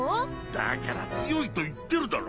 だから強いと言ってるだろ。